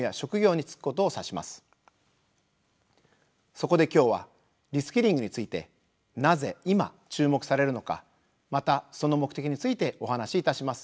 そこで今日は「リスキリング」についてなぜ今注目されるのかまたその目的についてお話しいたします。